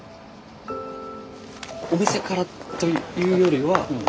お店からというよりは。